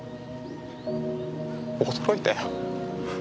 驚いたよ。